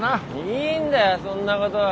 いいんだよそんなことは。